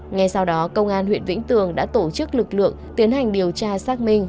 ngay sau đó công an huyện vĩnh tường đã tổ chức lực lượng tiến hành điều tra xác minh